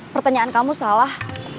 pertanyaan kamu salah